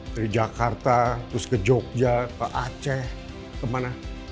dari jakarta terus ke jogja ke aceh kemana